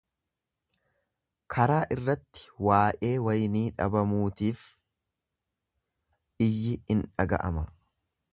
Karaa irratti waa'ee waynii dhabamuutiif iyyi in dhaga'ama.